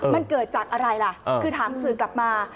มันเกิดจากอะไรล่ะคือถามสื่อกลับมา